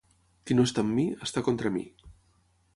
Qui no està amb mi, està contra mi.